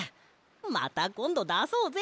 またこんどだそうぜ！